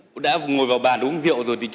cô đã ngồi vào bàn uống rượu rồi